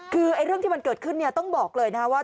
คือเรื่องที่มันเกิดขึ้นเนี่ยต้องบอกเลยนะว่า